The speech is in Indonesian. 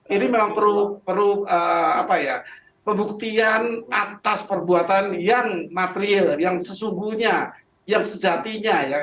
ini memang perlu pembuktian atas perbuatan yang material yang sesungguhnya yang sejatinya ya